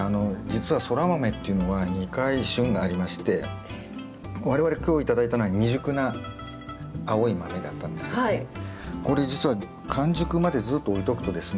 実はソラマメっていうのは２回旬がありまして我々今日頂いたのは未熟な青い豆だったんですけどねこれ実は完熟までずっと置いとくとですね。